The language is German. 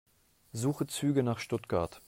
Suche Züge nach Stuttgart.